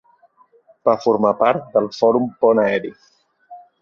Va formar part del Fòrum Pont Aeri.